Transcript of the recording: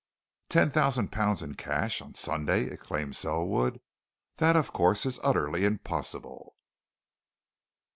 "Ten thousand pounds in cash on Sunday!" exclaimed Selwood. "That, of course, is utterly impossible."